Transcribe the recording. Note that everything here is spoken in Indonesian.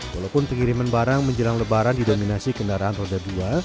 walaupun pengiriman barang menjelang lebaran didominasi kendaraan roda dua